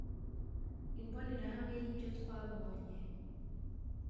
Imbonerahamwe yibyo twabonye.